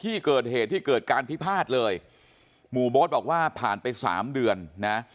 ที่เกิดเหตุที่เกิดการพิพาทเลยหมู่โบ๊ทบอกว่าผ่านไปสามเดือนนะ